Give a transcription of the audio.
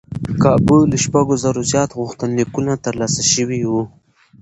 کابو له شپږ زرو زیات غوښتنلیکونه ترلاسه شوي و.